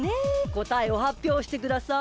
こたえをはっぴょうしてください。